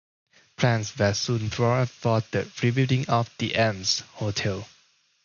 Plans were soon drawn up for the rebuilding of the Elms Hotel.